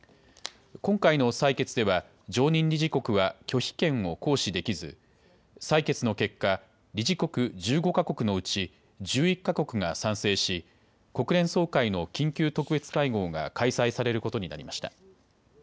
今回の採決では常任理事国は拒否権を行使できず採決の結果、理事国１５か国のうち１１か国が賛成し国連総会の緊急特別会合が開催されることになりました。